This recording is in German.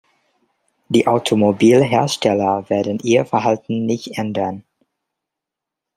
Die Automobilhersteller werden ihr Verhalten nicht ändern.